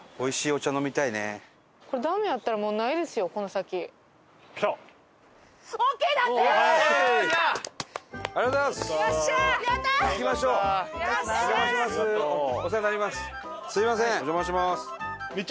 お邪魔します。